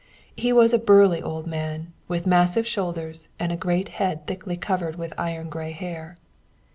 He was a burly old man, with massive shoulders and a great head thickly covered with iron gray hair.